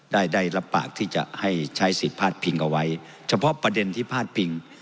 ได้รับปากที่จะให้ใช้สิทธิ์พาดพิงเอาไว้เฉพาะประเด็นที่พาดพิง